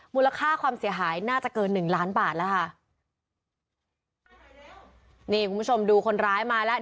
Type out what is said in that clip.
มูลค่าความเสียหายน่าจะเกินหนึ่งล้านบาทแล้วค่ะนี่คุณผู้ชมดูคนร้ายมาแล้ว